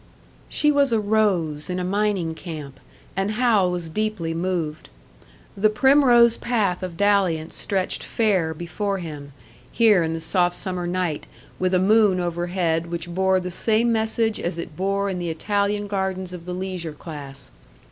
She was a rose in a mining camp, and Hal was deeply moved. The primrose path of dalliance stretched fair before him, here in the soft summer night, with a moon overhead which bore the same message as it bore in the Italian gardens of the leisure class.